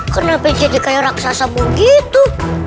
kenapa jadi kayak raksasa begitu